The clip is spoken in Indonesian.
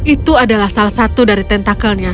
itu adalah salah satu dari tentakelnya